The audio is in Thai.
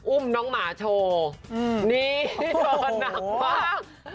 อุ้มน้องหมาโชว์นี่นักมากนี่นักมาก